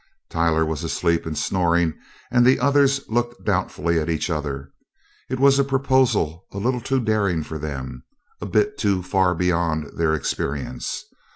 Tylor was asleep and snoring and the others looked doubtfully at each other. It was a proposal a little too daring for them, a bit too far beyond their experience.